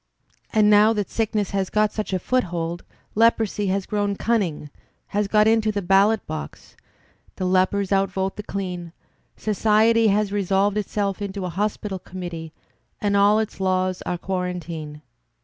And now that sickness has got such a foothold, leprosy has grown cimning, has got into the ballot box; the lepers outvote the clean; society has resolved itself into a Hospital Committee, and all its laws are quarantine.